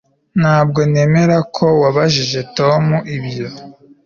Ntabwo nemera ko wabajije Tom ibyo